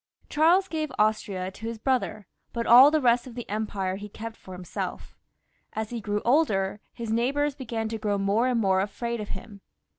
Charles gave Austria to his brother, but all the rest of the empire he kept for himself! As he grew older, his neighbours began to grow more and more afraid of him.